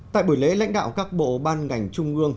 tại buổi lễ lãnh đạo các bộ ban ngành trung ương